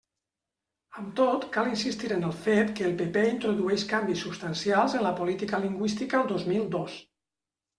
Amb tot, cal insistir en el fet que el PP introdueix canvis substancials en la política lingüística el dos mil dos.